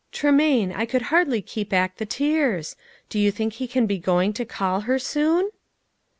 "Tremaine, I could hardly keep back the tears. Do you think He can be going to call her soon